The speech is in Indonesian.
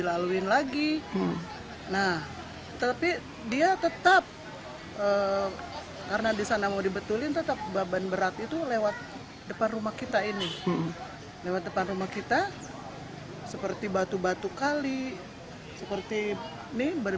lewat depan rumah kita seperti batu batu kali seperti ini